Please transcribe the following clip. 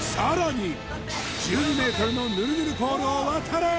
１２ｍのぬるぬるポールを渡れ！